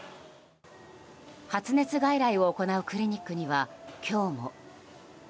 発熱外来を行うクリニックには今日も。